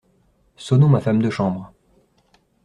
Sonnons ma femme de chambre.